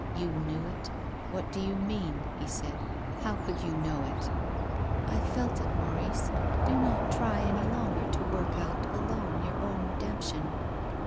"You knew it? What do you mean?" he said. " How could you know it ?"" I felt it, Maurice ; do not try any longer to work out alone your own redemption."